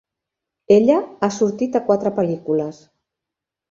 Ella ha sortit a quatre pel·lícules.